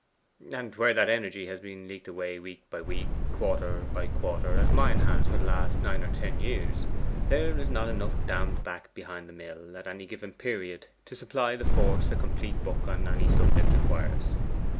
And where that energy has been leaked away week by week, quarter by quarter, as mine has for the last nine or ten years, there is not enough dammed back behind the mill at any given period to supply the force a complete book on any subject requires.